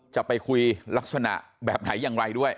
จะไปคุยลักษณะแบบไหนอย่างไรด้วย